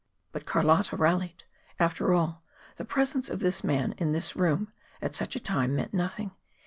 But Carlotta rallied. After all, the presence of this man in this room at such a time meant nothing.